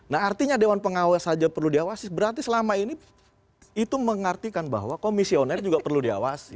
nah artinya dewan pengawas saja perlu diawasi berarti selama ini itu mengartikan bahwa komisioner juga perlu diawasi